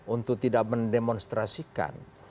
untuk tidak mendemonstrasikan